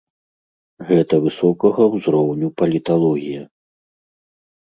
Гэта высокага ўзроўню паліталогія.